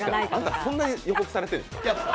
そんなに予告されてるんですか？